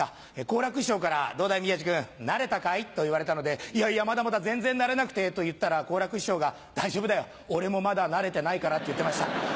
好楽師匠から「どうだい宮治君慣れたかい？」と言われたので「まだまだ全然慣れなくて」と言ったら好楽師匠が「大丈夫だよ俺もまだ慣れてないから」って言ってました。